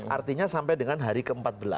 artinya sampai dengan hari ke empat belas